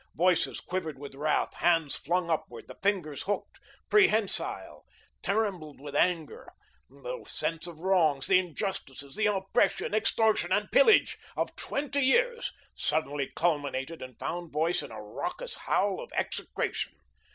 Voices quivered with wrath, hands flung upward, the fingers hooked, prehensile, trembled with anger. The sense of wrongs, the injustices, the oppression, extortion, and pillage of twenty years suddenly culminated and found voice in a raucous howl of execration.